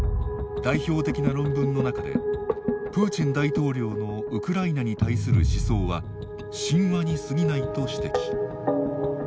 代表的な論文の中でプーチン大統領のウクライナに対する思想は神話に過ぎないと指摘。